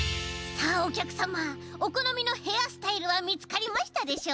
さあおきゃくさまおこのみのヘアスタイルはみつかりましたでしょうか？